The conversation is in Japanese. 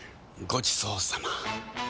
ごちそうさま！